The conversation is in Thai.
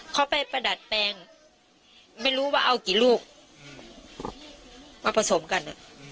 เขาไปประดับแปลงไม่รู้ว่าเอากี่ลูกมาผสมกัน